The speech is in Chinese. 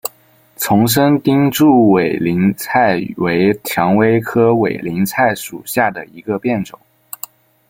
丛生钉柱委陵菜为蔷薇科委陵菜属下的一个变种。